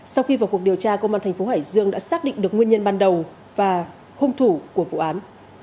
sau khi vào cuộc điều tra công an thành phố hải dương đã xác định được nguyên nhân ban đầu và hung thủ của vụ án